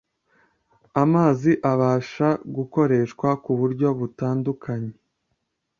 Amazi abasha gukoreshwa ku buryo butandukanye